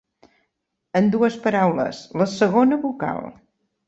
En dues paraules, la segona vocal.